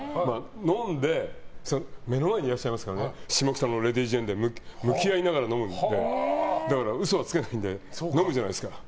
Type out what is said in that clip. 飲んで目の前にいらっしゃいますから下北沢で向き合いながら飲むので嘘はつけないので飲むじゃないですか。